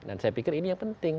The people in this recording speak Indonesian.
dan saya pikir ini yang penting